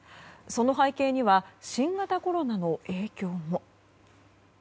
その背景には新型コロナの影響も。